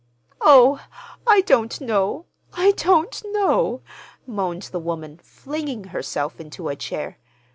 "Oh, I don't know—I don't know," moaned the woman, flinging herself into a chair.